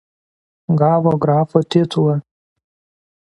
Gavo grafo titulą.